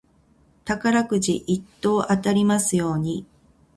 宝くじ一等当たりますように。